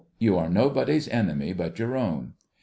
You are nobody's enemy but your own.